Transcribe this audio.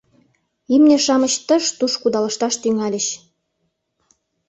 Имне-шамыч тыш-туш кудалышташ тӱҥальыч.